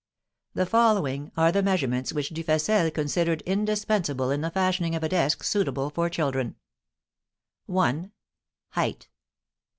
The following are the measurements which Dufessel considered indispensable in the fashioning of a desk suitable for children: 1. Height.